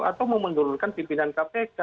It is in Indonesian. atau memendurunkan pimpinan kpk